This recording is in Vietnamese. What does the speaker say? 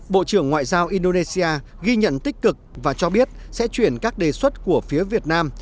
bộ trưởng ngoại giao indonesia ghi nhận tích cực và cho biết sẽ chuyển các đề xuất của phía việt nam